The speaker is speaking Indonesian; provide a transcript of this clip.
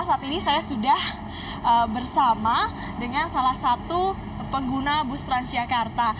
saat ini saya sudah bersama dengan salah satu pengguna bus transjakarta